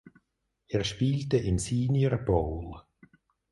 Er spielte im Senior Bowl.